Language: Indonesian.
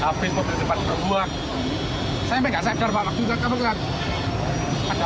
saya sampai tidak segar waktu itu saya terdengar klak